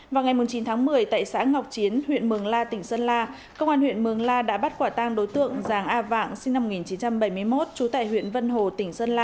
vào ngày chín tháng một mươi tại xã ngọc chiến huyện mường la tỉnh sơn la công an huyện mường la đã bắt quả tang đối tượng giàng a vạng sinh năm một nghìn chín trăm bảy mươi một trú tại huyện vân hồ tỉnh sơn la